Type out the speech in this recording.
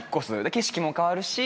景色も変わるし。